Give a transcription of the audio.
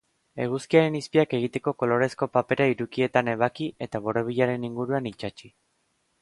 Eguzkiaren izpiak egiteko kolorezko papera hirukietan ebaki eta borobilaren inguruan itsatsi.